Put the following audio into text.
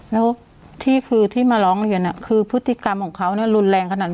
แล้วที่คือที่มาร้องเรียนคือพฤติกรรมของเขารุนแรงขนาดนั้น